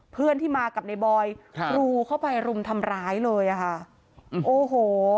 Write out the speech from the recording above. เพื่อนที่มากับในบอยครับรูเข้าไปรุมทำร้ายเลยอ่ะค่ะโอ้โห